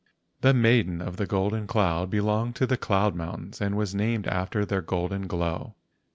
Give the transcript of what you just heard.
The Maiden of the Golden Cloud belonged to the cloud moun¬ tains and was named after their golden glow.